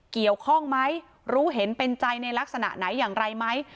เกี่ยวข้องไหมรู้เห็นเป็นใจในลักษณะไหนอย่างไรไหม